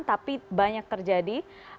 tapi banyak terjadi